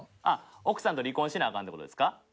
奥さんと離婚しなあかんってことですか？